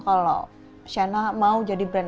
kalau shane mau jadi brand